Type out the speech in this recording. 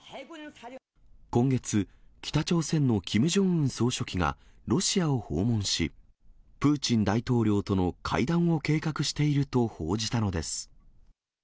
今月、北朝鮮のキム・ジョンウン総書記がロシアを訪問し、プーチン大統領との会談を計画していると報じたのです。